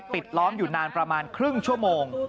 ล้อมอยู่นานประมาณครึ่งชั่วโมง